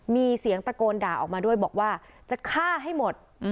มีเสียงตะโกนด่าออกมาด้วยบอกว่าจะฆ่าให้หมด